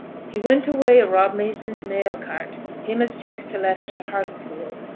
'He went away i' Rob Mason's mail cart, him as tak's t' letters to Hartlepool.